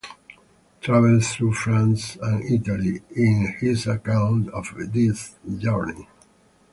"Travels through France and Italy" is his account of this journey.